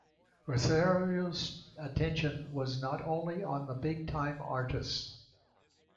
Guercio's attention was not only on the big-time artists.